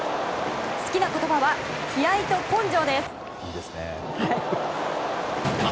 好きな言葉は、気合と根性です。